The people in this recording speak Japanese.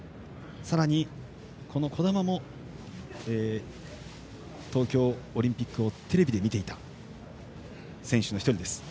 さらに、児玉も東京オリンピックをテレビで見ていた選手の１人です。